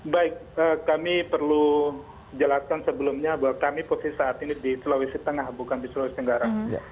baik kami perlu jelaskan sebelumnya bahwa kami posisi saat ini di sulawesi tengah bukan di sulawesi tenggara